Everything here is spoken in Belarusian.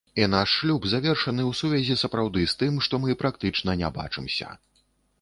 І наш шлюб завершаны ў сувязі сапраўды з тым, што мы практычна не бачымся.